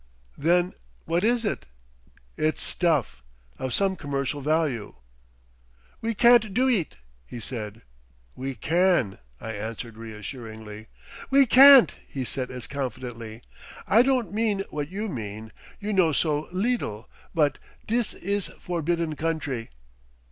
"Then what is it?" "It's stuff—of some commercial value." "We can't do eet," he said. "We can," I answered reassuringly. "We can't," he said as confidently. "I don't mean what you mean. You know so liddle—But—dis is forbidden country."